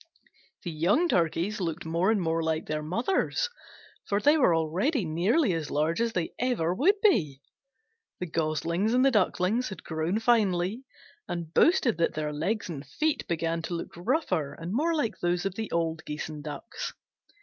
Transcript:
The young Turkeys looked more and more like their mothers, for they were already nearly as large as they ever would be. The Goslings and the Ducklings had grown finely, and boasted that their legs and feet began to look rougher and more like those of the old Geese and Ducks.